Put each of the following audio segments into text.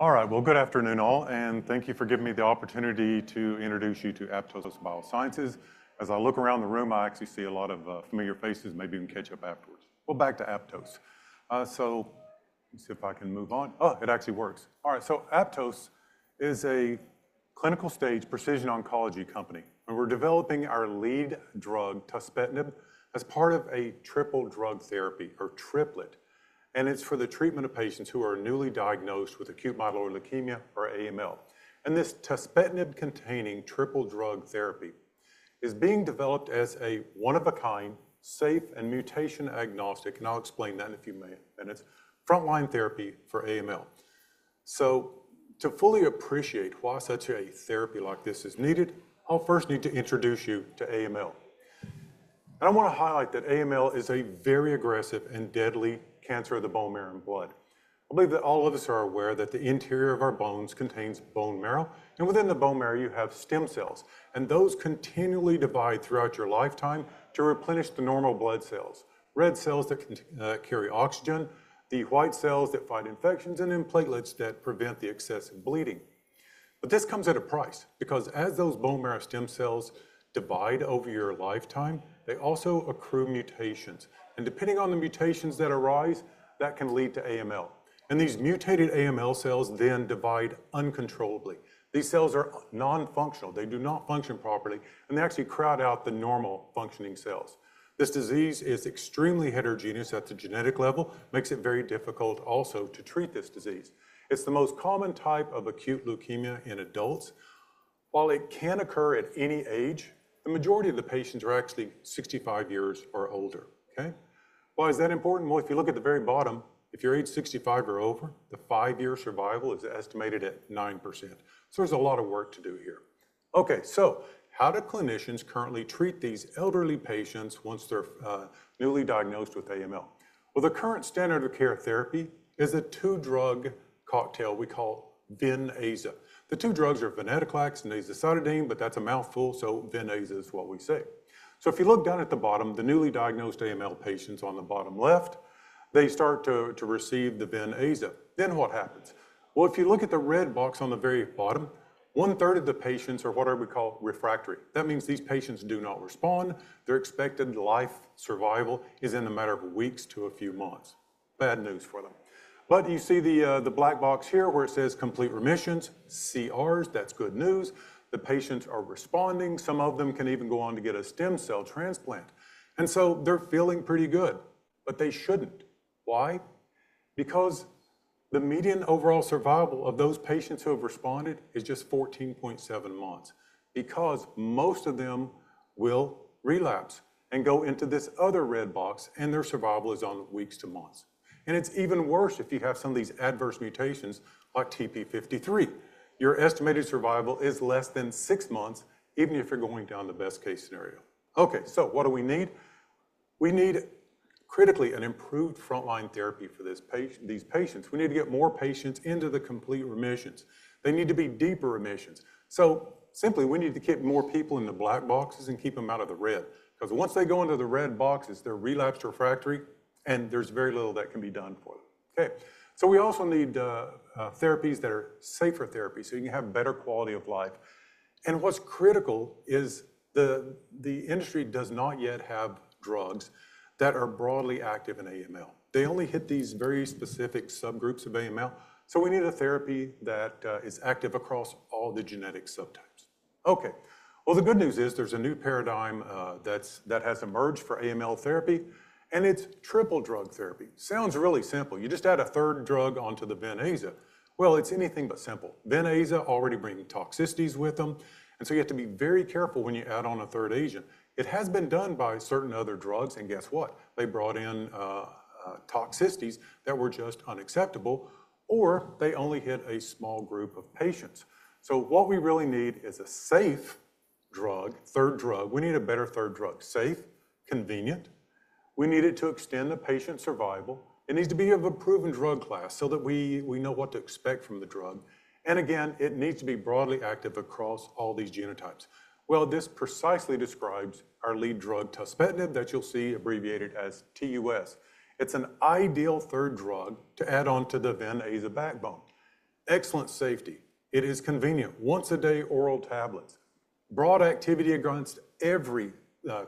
All right, good afternoon all, and thank you for giving me the opportunity to introduce you to Aptose Biosciences. As I look around the room, I actually see a lot of familiar faces. Maybe we can catch up afterwards. Back to Aptose. Let me see if I can move on. Oh, it actually works. All right, Aptose is a clinical stage precision oncology company. We're developing our lead drug, Tuspetinib, as part of a triple drug therapy, or triplet. It is for the treatment of patients who are newly diagnosed with acute myeloid leukemia, or AML. This Tuspetinib-containing triple drug therapy is being developed as a one-of-a-kind, safe, and mutation-agnostic—and I'll explain that in a few minutes—frontline therapy for AML. To fully appreciate why such a therapy like this is needed, I'll first need to introduce you to AML. I want to highlight that AML is a very aggressive and deadly cancer of the bone marrow and blood. I believe that all of us are aware that the interior of our bones contains bone marrow. Within the bone marrow, you have stem cells. Those continually divide throughout your lifetime to replenish the normal blood cells: red cells that carry oxygen, the white cells that fight infections, and then platelets that prevent excessive bleeding. This comes at a price, because as those bone marrow stem cells divide over your lifetime, they also accrue mutations. Depending on the mutations that arise, that can lead to AML. These mutated AML cells then divide uncontrollably. These cells are nonfunctional. They do not function properly. They actually crowd out the normal functioning cells. This disease is extremely heterogeneous at the genetic level, makes it very difficult also to treat this disease. It's the most common type of acute leukemia in adults. While it can occur at any age, the majority of the patients are actually 65 years or older. Okay? Why is that important? If you look at the very bottom, if you're age 65 or over, the five-year survival is estimated at 9%. There's a lot of work to do here. Okay, how do clinicians currently treat these elderly patients once they're newly diagnosed with AML? The current standard of care therapy is a two-drug cocktail we call VEN-AZA. The two drugs are venetoclax and azacitidine, but that's a mouthful, so VEN-AZA is what we say. If you look down at the bottom, the newly diagnosed AML patients on the bottom left, they start to receive the VEN-AZA. What happens? If you look at the red box on the very bottom, one-third of the patients are what we call refractory. That means these patients do not respond. Their expected life survival is in the matter of weeks to a few months. Bad news for them. You see the black box here where it says complete remissions, CRs, that's good news. The patients are responding. Some of them can even go on to get a stem cell transplant. They are feeling pretty good. They shouldn't. Why? Because the median overall survival of those patients who have responded is just 14.7 months. Because most of them will relapse and go into this other red box, and their survival is on weeks to months. It is even worse if you have some of these adverse mutations like TP53. Your estimated survival is less than six months, even if you're going down the best-case scenario. Okay, what do we need? We need, critically, an improved frontline therapy for these patients. We need to get more patients into the complete remissions. They need to be deeper remissions. Simply, we need to keep more people in the black boxes and keep them out of the red. Because once they go into the red boxes, they're relapsed refractory, and there is very little that can be done for them. Okay. We also need therapies that are safer therapies so you can have better quality of life. What's critical is the industry does not yet have drugs that are broadly active in AML. They only hit these very specific subgroups of AML. We need a therapy that is active across all the genetic subtypes. The good news is there's a new paradigm that has emerged for AML therapy, and it's triple drug therapy. Sounds really simple. You just add a third drug onto the VEN-AZA. It's anything but simple. VEN-AZA already brings toxicities with them, and you have to be very careful when you add on a third agent. It has been done by certain other drugs, and guess what? They brought in toxicities that were just unacceptable, or they only hit a small group of patients. What we really need is a safe drug, third drug. We need a better third drug. Safe, convenient. We need it to extend the patient's survival. It needs to be of a proven drug class so that we know what to expect from the drug. Again, it needs to be broadly active across all these genotypes. This precisely describes our lead drug, Tuspetinib, that you'll see abbreviated as TUS. It's an ideal third drug to add onto the VEN-AZA backbone. Excellent safety. It is convenient. Once-a-day oral tablets. Broad activity against every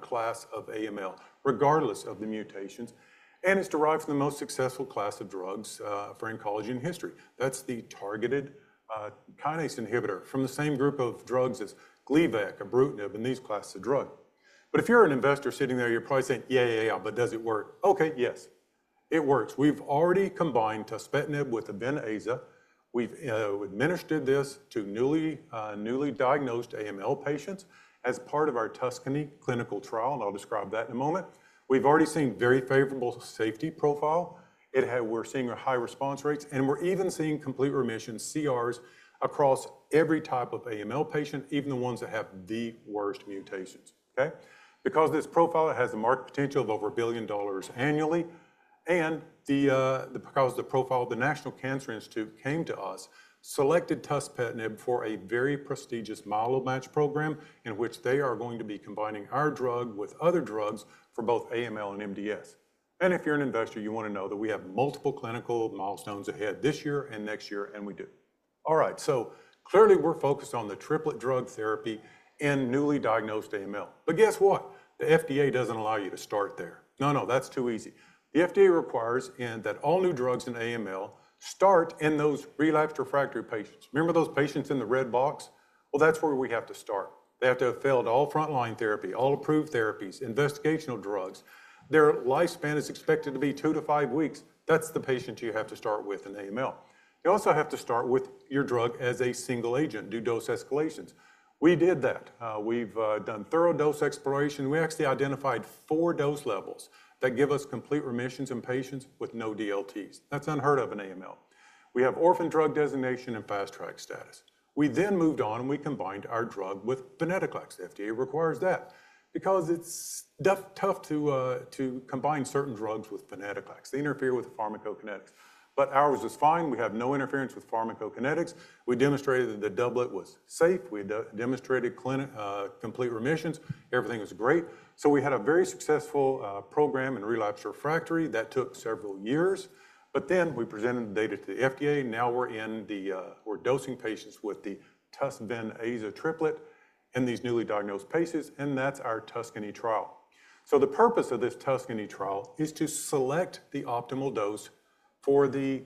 class of AML, regardless of the mutations. It's derived from the most successful class of drugs for oncology in history. That's the targeted kinase inhibitor from the same group of drugs as Gleevec, Ibrutinib, and these classes of drug. If you're an investor sitting there, you're probably saying, "Yeah, yeah, yeah, but does it work?" Yes. It works. We've already combined Tuspetinib with VEN-AZA. We've administered this to newly diagnosed AML patients as part of our TUSCANY clinical trial, and I'll describe that in a moment. We've already seen a very favorable safety profile. We're seeing high response rates. We're even seeing complete remission, CRs, across every type of AML patient, even the ones that have the worst mutations. Okay? This profile has a market potential of over $1 billion annually. The National Cancer Institute came to us, selected Tuspetinib for a very prestigious MATCH program in which they are going to be combining our drug with other drugs for both AML and MDS. If you're an investor, you want to know that we have multiple clinical milestones ahead this year and next year, and we do. All right, clearly we're focused on the triplet drug therapy in newly diagnosed AML. Guess what? The FDA doesn't allow you to start there. No, no, that's too easy. The FDA requires that all new drugs in AML start in those relapsed refractory patients. Remember those patients in the red box? That's where we have to start. They have to have failed all frontline therapy, all approved therapies, investigational drugs. Their lifespan is expected to be two to five weeks. That's the patient you have to start with in AML. You also have to start with your drug as a single agent, do dose escalations. We did that. We've done thorough dose exploration. We actually identified four dose levels that give us complete remissions in patients with no DLTs. That's unheard of in AML. We have orphan drug designation and fast-track status. We then moved on and we combined our drug with venetoclax. The FDA requires that. Because it's tough to combine certain drugs with venetoclax. They interfere with pharmacokinetics. But ours is fine. We have no interference with pharmacokinetics. We demonstrated that the doublet was safe. We demonstrated complete remissions. Everything was great. We had a very successful program in relapsed refractory that took several years. We presented the data to the FDA. Now we're dosing patients with the Tuspetinib AZA triplet in these newly diagnosed patients. That's our TUSCANY trial. The purpose of this TUSCANY trial is to select the optimal dose for the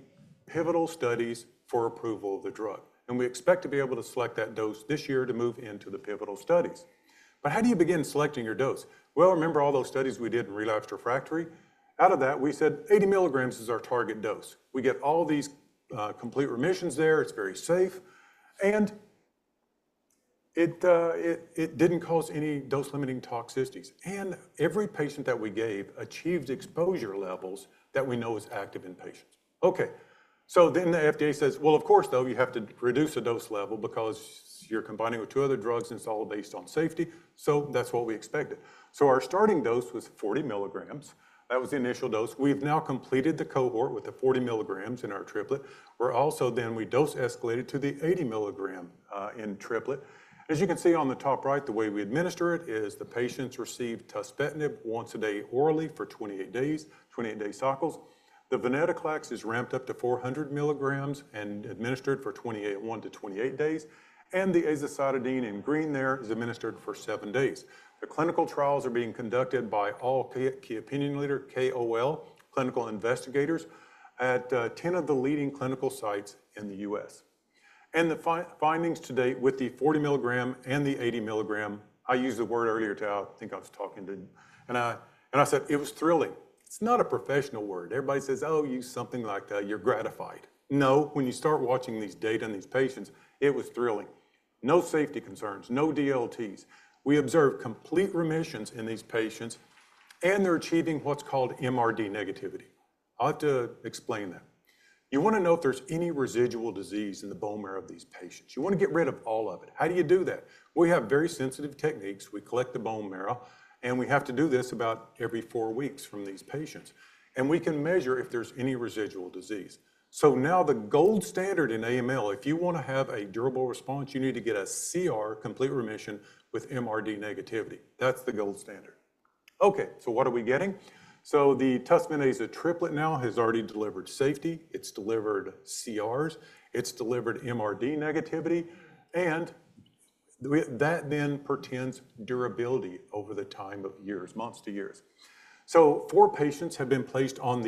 pivotal studies for approval of the drug. We expect to be able to select that dose this year to move into the pivotal studies. How do you begin selecting your dose? Remember all those studies we did in relapsed refractory? Out of that, we said 80 mg is our target dose. We get all these complete remissions there. It is very safe. It did not cause any dose-limiting toxicities. Every patient that we gave achieved exposure levels that we know as active in patients. The FDA says, "Of course, though, you have to reduce the dose level because you are combining with two other drugs, and it is all based on safety." That is what we expected. Our starting dose was 40 mg. That was the initial dose. We have now completed the cohort with the 40 mg in our triplet. We also then dose-escalated to the 80 mg in triplet. As you can see on the top right, the way we administer it is the patients receive Tuspetinib once a day orally for 28 days, 28-day cycles. The venetoclax is ramped up to 400 mg and administered for one to 28 days. The azacitidine in green there is administered for seven days. The clinical trials are being conducted by all key opinion leaders, KOL, clinical investigators at 10 of the leading clinical sites in the U.S. The findings to date with the 40 mg and the 80 mg, I used the word earlier to I think I was talking to, and I said it was thrilling. It's not a professional word. Everybody says, "Oh, you use something like that. You're gratified." No. When you start watching these data and these patients, it was thrilling. No safety concerns. No DLTs. We observed complete remissions in these patients, and they're achieving what's called MRD negativity. I'll have to explain that. You want to know if there's any residual disease in the bone marrow of these patients. You want to get rid of all of it. How do you do that? We have very sensitive techniques. We collect the bone marrow. We have to do this about every four weeks from these patients. We can measure if there's any residual disease. Now the gold standard in AML, if you want to have a durable response, you need to get a CR, complete remission with MRD negativity. That's the gold standard. Okay, what are we getting? The Tuspetinib AZA triplet now has already delivered safety. It's delivered CRs. It's delivered MRD negativity. That then pertains durability over the time of years, months to years. Four patients have been placed on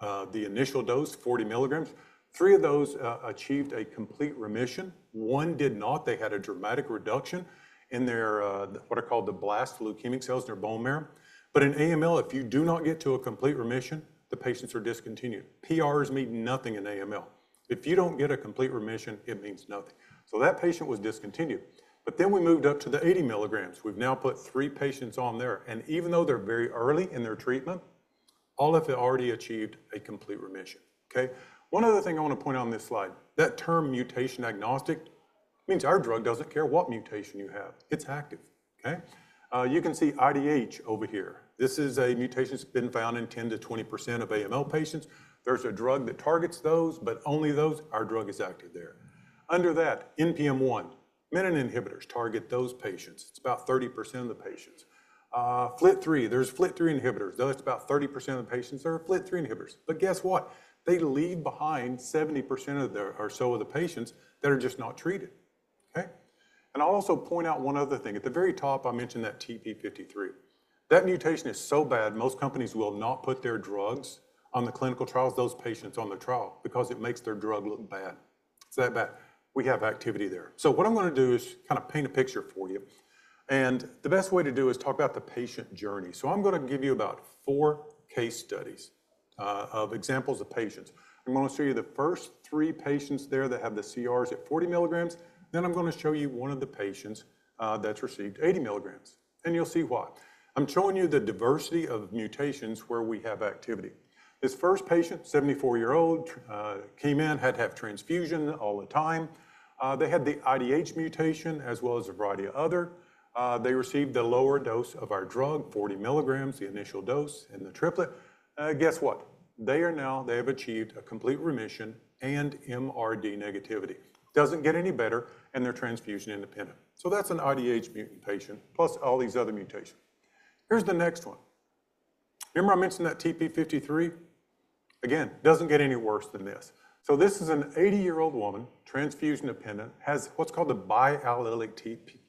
the initial dose, 40 milligrams. Three of those achieved a complete remission. One did not. They had a dramatic reduction in their what are called the blast leukemic cells in their bone marrow. In AML, if you do not get to a complete remission, the patients are discontinued. PRs mean nothing in AML. If you don't get a complete remission, it means nothing. That patient was discontinued. We moved up to the 80 mg. We've now put three patients on there. Even though they're very early in their treatment, all of them already achieved a complete remission. One other thing I want to point out on this slide. That term mutation-agnostic means our drug doesn't care what mutation you have. It's active. You can see IDH over here. This is a mutation that's been found in 10%-20% of AML patients. There's a drug that targets those, but only those. Our drug is active there. Under that, NPM1, menin inhibitors target those patients. It's about 30% of the patients. FLT3, there's FLT3 inhibitors. That's about 30% of the patients that are FLT3 inhibitors. Guess what? They leave behind 70% or so of the patients that are just not treated. Okay? I'll also point out one other thing. At the very top, I mentioned that TP53. That mutation is so bad, most companies will not put their drugs on the clinical trials, those patients on the trial, because it makes their drug look bad. It's that bad. We have activity there. What I'm going to do is kind of paint a picture for you. The best way to do is talk about the patient journey. I'm going to give you about four case studies of examples of patients. I'm going to show you the first three patients there that have the CRs at 40 mg. I'm going to show you one of the patients that's received 80 mg. You will see why. I'm showing you the diversity of mutations where we have activity. This first patient, 74-year-old, came in, had to have transfusion all the time. They had the IDH mutation as well as a variety of other. They received the lower dose of our drug, 40 mg, the initial dose in the triplet. Guess what? They are now, they have achieved a complete remission and MRD negativity. Doesn't get any better, and they're transfusion independent. That is an IDH mutant patient, plus all these other mutations. Here is the next one. Remember I mentioned that TP53? Again, doesn't get any worse than this. This is an 80-year-old woman, transfusion dependent, has what's called the biallelic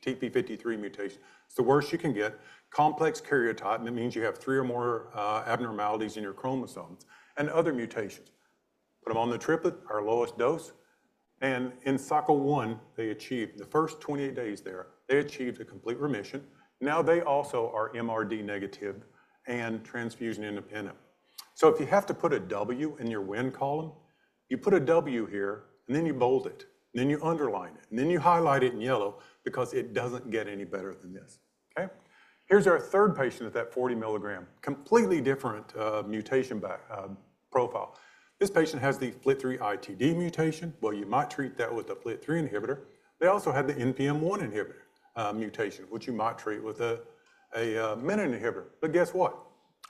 TP53 mutation. It's the worst you can get. Complex karyotype. That means you have three or more abnormalities in your chromosomes. And other mutations. Put them on the triplet, our lowest dose. In cycle one, they achieved the first 28 days there, they achieved a complete remission. Now they also are MRD negative and transfusion independent. If you have to put a W in your WIN column, you put a W here, and then you bold it. You underline it. You highlight it in yellow because it does not get any better than this. Here is our third patient at that 40 mg, completely different mutation profile. This patient has the FLT3 ITD mutation. You might treat that with a FLT3 inhibitor. They also had the NPM1 mutation, which you might treat with a menin inhibitor. Guess what?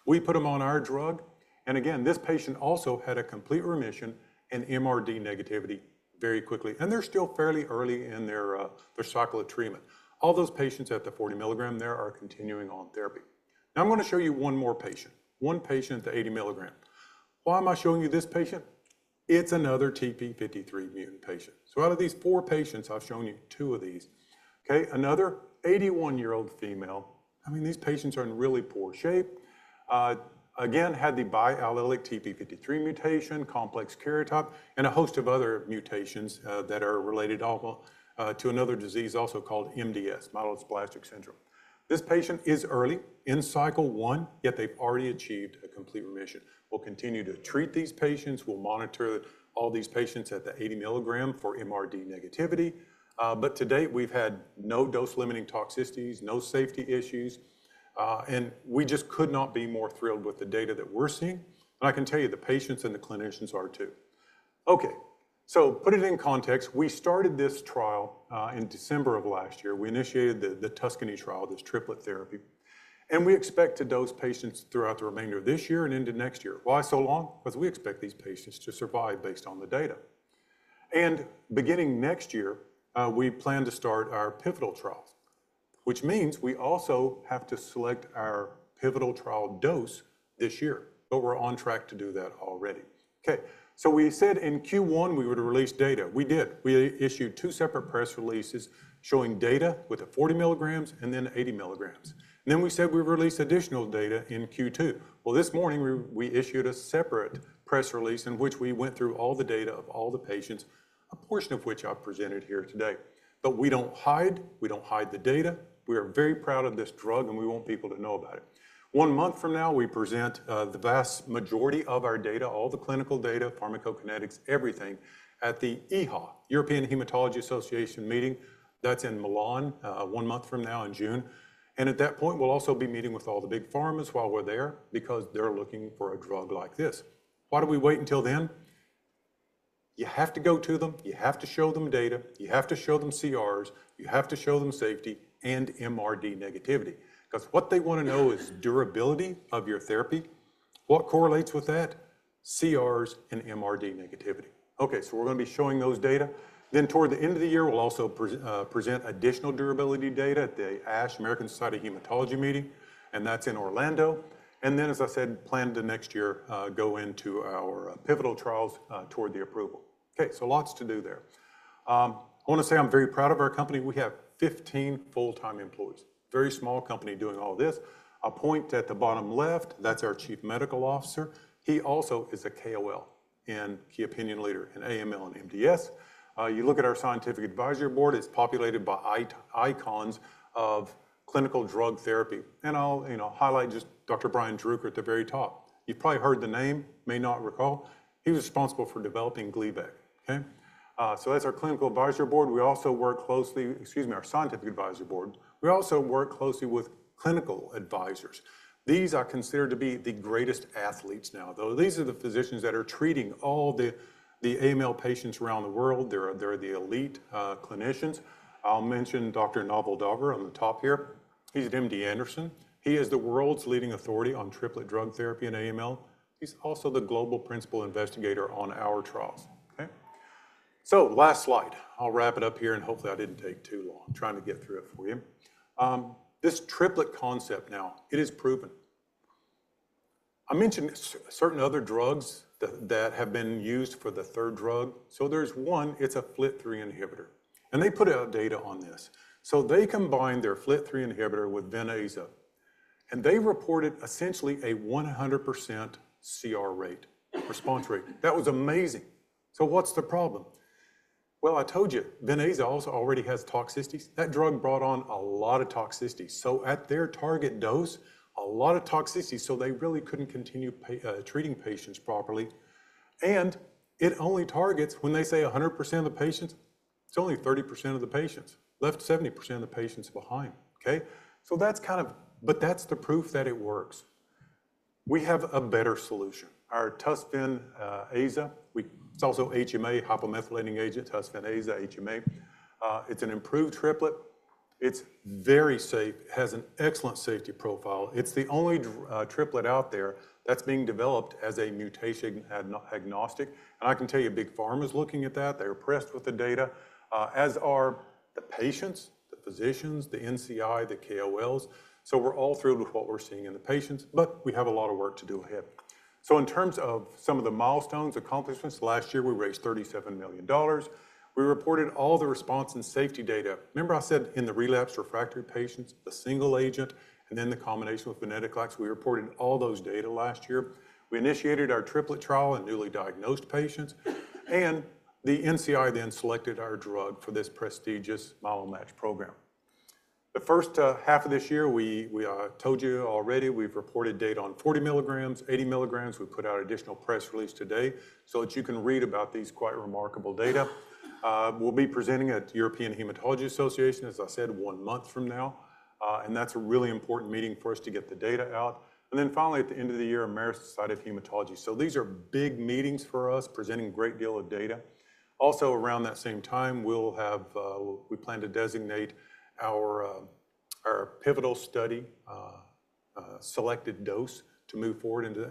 We put them on our drug. Again, this patient also had a complete remission and MRD negativity very quickly. They are still fairly early in their cycle of treatment. All those patients at the 40 mg, they are continuing on therapy. Now I'm going to show you one more patient. One patient at the 80 mg. Why am I showing you this patient? It's another TP53 mutant patient. So out of these four patients, I've shown you two of these. Okay? Another 81-year-old female. I mean, these patients are in really poor shape. Again, had the biallelic TP53 mutation, complex karyotype, and a host of other mutations that are related to another disease also called MDS, myelodysplastic syndrome. This patient is early in cycle one, yet they've already achieved a complete remission. We'll continue to treat these patients. We'll monitor all these patients at the 80 milligram for MRD negativity. To date, we've had no dose-limiting toxicities, no safety issues. We just could not be more thrilled with the data that we're seeing. I can tell you the patients and the clinicians are too. Okay. To put it in context, we started this trial in December of last year. We initiated the TUSCANY trial, this triplet therapy. We expect to dose patients throughout the remainder of this year and into next year. Why so long? We expect these patients to survive based on the data. Beginning next year, we plan to start our pivotal trials, which means we also have to select our pivotal trial dose this year. We are on track to do that already. Okay. We said in Q1 we were to release data. We did. We issued two separate press releases showing data with the 40 mg and then 80 mg. We said we released additional data in Q2. This morning, we issued a separate press release in which we went through all the data of all the patients, a portion of which I've presented here today. We don't hide. We don't hide the data. We are very proud of this drug, and we want people to know about it. One month from now, we present the vast majority of our data, all the clinical data, pharmacokinetics, everything at the European Hematology Association meeting. That's in Milan one month from now in June. At that point, we'll also be meeting with all the big pharmas while we're there because they're looking for a drug like this. Why do we wait until then? You have to go to them. You have to show them data. You have to show them CRs. You have to show them safety and MRD negativity. Because what they want to know is durability of your therapy. What correlates with that? CRs and MRD negativity. Okay, we're going to be showing those data. Toward the end of the year, we'll also present additional durability data at the ASH, American Society of Hematology meeting. That's in Orlando. As I said, plan to next year go into our pivotal trials toward the approval. Lots to do there. I want to say I'm very proud of our company. We have 15 full-time employees. Very small company doing all this. A point at the bottom left, that's our Chief Medical Officer. He also is a KOL and key opinion leader in AML and MDS. You look at our scientific advisory board, it's populated by icons of clinical drug therapy. I'll highlight just Dr. Brian Druker at the very top. You've probably heard the name, may not recall. He was responsible for developing Gleevec. Okay? So that's our clinical advisory board. We also work closely, excuse me, our scientific advisory board. We also work closely with clinical advisors. These are considered to be the greatest athletes now, though. These are the physicians that are treating all the AML patients around the world. They're the elite clinicians. I'll mention Dr. Naval Daver on the top here. He's at MD Anderson. He is the world's leading authority on triplet drug therapy in AML. He's also the global principal investigator on our trials. Okay? Last slide. I'll wrap it up here, and hopefully I didn't take too long trying to get through it for you. This triplet concept now, it is proven. I mentioned certain other drugs that have been used for the third drug. There's one, it's a FLT3 inhibitor. They put out data on this. They combined their FLT3 inhibitor with VEN-AZA. They reported essentially a 100% CR rate, response rate. That was amazing. What's the problem? I told you, VEN-AZA also already has toxicities. That drug brought on a lot of toxicities. At their target dose, a lot of toxicities. They really could not continue treating patients properly. It only targets, when they say 100% of the patients, it is only 30% of the patients. Left 70% of the patients behind. That is kind of, but that is the proof that it works. We have a better solution. Our Tuspetinib AZA, it is also HMA, hypomethylating agent, Tuspetinib AZA, HMA. It is an improved triplet. It is very safe. It has an excellent safety profile. It is the only triplet out there that is being developed as a mutation-agnostic. I can tell you big pharmas are looking at that. They're impressed with the data, as are the patients, the physicians, the NCI, the KOLs. We're all thrilled with what we're seeing in the patients, but we have a lot of work to do ahead. In terms of some of the milestones, accomplishments, last year we raised $37 million. We reported all the response and safety data. Remember I said in the relapsed refractory patients, the single agent, and then the combination with venetoclax. We reported all those data last year. We initiated our triplet trial in newly diagnosed patients. The NCI then selected our drug for this prestigious MALOMATCH program. The first half of this year, we told you already, we've reported data on 40 mg, 80 mg. We put out additional press release today so that you can read about these quite remarkable data. We'll be presenting at the European Hematology Association, as I said, one month from now. That's a really important meeting for us to get the data out. Finally, at the end of the year, American Society of Hematology. These are big meetings for us, presenting a great deal of data. Also around that same time, we plan to designate our pivotal study selected dose to move forward into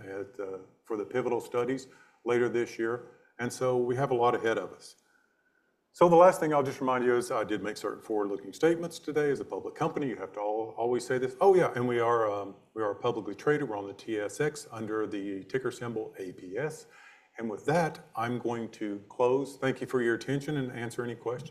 for the pivotal studies later this year. We have a lot ahead of us. The last thing I'll just remind you is I did make certain forward-looking statements today. As a public company, you have to always say this. Oh yeah, and we are publicly traded. We're on the TSX under the ticker symbol ABS. With that, I'm going to close. Thank you for your attention and answer any questions.